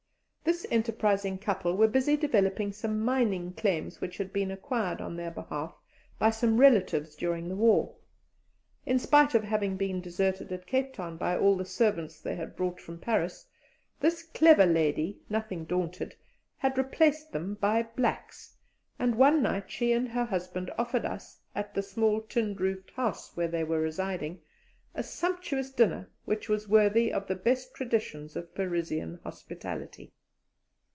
This enterprising couple were busy developing some mining claims which had been acquired on their behalf by some relatives during the war. In spite of having been deserted at Cape Town by all the servants they had brought from Paris, this clever lady, nothing daunted, had replaced them by blacks, and one night she and her husband offered us, at the small tin roofed house where they were residing, a sumptuous dinner which was worthy of the best traditions of Parisian hospitality.